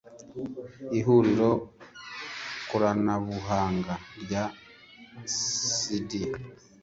ihuriro koranabuhanga rya CSD